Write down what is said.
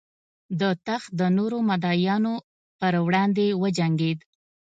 د تخت د نورو مدعیانو پر وړاندې وجنګېد.